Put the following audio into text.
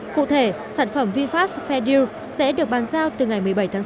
cụ thể sản phẩm vinfast fadil sẽ được bàn giao từ ngày một mươi bảy tháng sáu